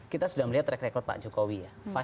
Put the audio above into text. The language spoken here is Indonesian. kita sudah melihat track record pak jokowi ya